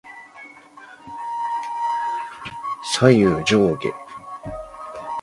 属邕州右江道羁縻州。